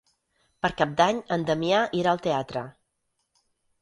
Per Cap d'Any en Damià irà al teatre.